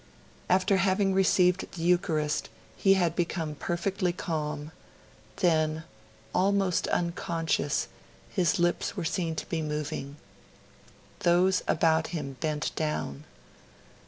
After having received the Eucharist, he had become perfectly calm; then, almost unconscious, his lips were seen to be moving. Those about him bent down.